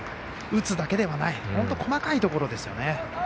打つだけではない本当に細かいところですよね。